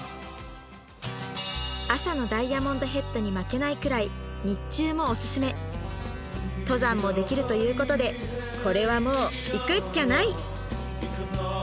朝のダイヤモンドヘッドに負けないくらい日中もオススメ登山もできるということでこれはもう行くっきゃない！